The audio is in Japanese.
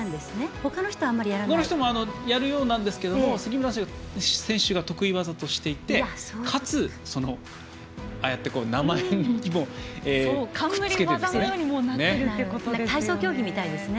ほかの人もやるようなんですけど杉村選手が得意技としていてかつ、ああやって名前もくっつけているんですね。